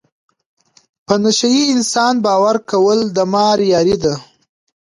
په نشه یې انسان باور کول د مار یاري ده.